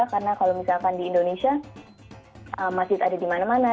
karena kalau misalkan di indonesia masjid ada di mana mana